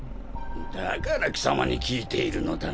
だから貴様に聞いているのだ。